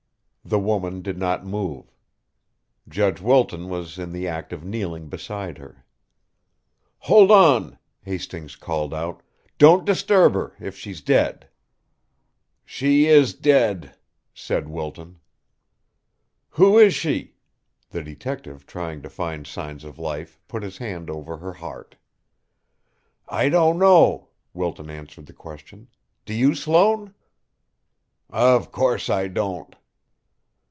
The woman did not move. Judge Wilton was in the act of kneeling beside her. "Hold on!" Hastings called out. "Don't disturb her if she's dead." "She is dead!" said Wilton. "Who is she?" The detective, trying to find signs of life, put his hand over her heart. "I don't know," Wilton answered the question. "Do you, Sloane?" "Of course, I don't!"